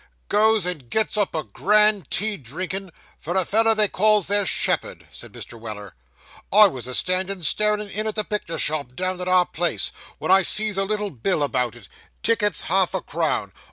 'Goes and gets up a grand tea drinkin' for a feller they calls their shepherd,' said Mr. Weller. 'I was a standing starin' in at the pictur shop down at our place, when I sees a little bill about it; "tickets half a crown.